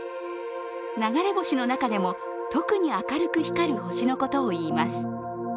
流れ星の中でも特に明るく光る星のことをいいます。